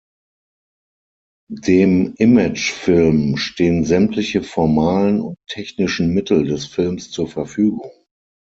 Dem Imagefilm stehen sämtliche formalen und technischen Mittel des Films zur Verfügung.